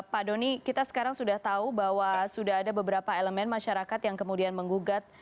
pak doni kita sekarang sudah tahu bahwa sudah ada beberapa elemen masyarakat yang kemudian menggugat